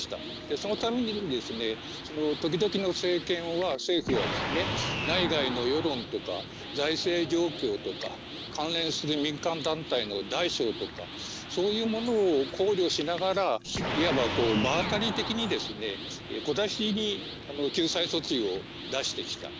そのたびに、その時々の政権は政府は内外の世論とか財政状況とか関連する民間団体の大小とかそういうものを考慮しながらいわば、場当たり的に小出しに救済措置を出してきた。